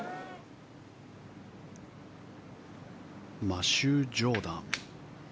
マシュー・ジョーダン。